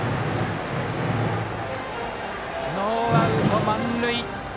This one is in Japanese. ノーアウト、満塁。